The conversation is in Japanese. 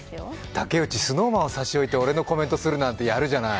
竹内、ＳｎｏｗＭａｎを差し置いて俺のコメントするなんて、やるじゃない。